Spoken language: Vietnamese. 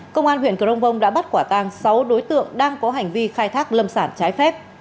công an huyện crong bông đã bắt quả tang sáu đối tượng đang có hành vi khai thác lâm sản trái phép